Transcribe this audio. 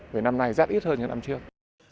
vì năm nay rét ít hơn như năm trước